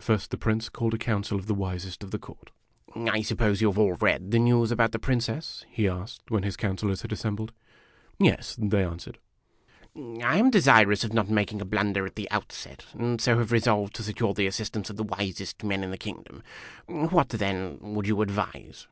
First the Prince called a council of the wisest of the court. " I suppose you have all SOME OF THE COUNCILORS. THE PRINCES COUNCILORS 139 read the news about the Princess ?" he asked, when his councilors had assembled. " Yes," they answered. " I am desirous of not making a blunder at the outset, and so have resolved to secure the assistance of the wisest men of the kino o clom. What, then, would you advise